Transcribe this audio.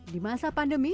di masa pandemi